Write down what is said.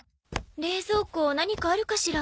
冷蔵庫何かあるかしら。